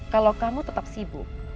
kalo kamu tetap sibuk